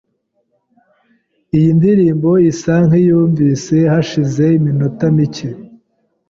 Iyi ndirimbo isa nkiyunvise hashize iminota mike.